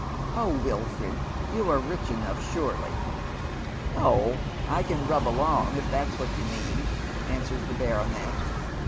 " Oh, Wilford, you are rich enough, surely." " Oh, I can nib along, if that's what you mean," answers the baronet.